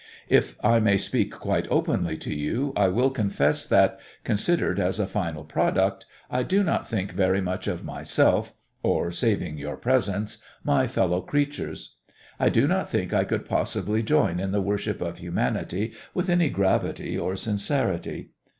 If I may speak quite openly to you, I will confess that, considered as a final product, I do not think very much of myself or (saving your presence) my fellow creatures. I do not think I could possibly join in the worship of humanity with any gravity or sincerity.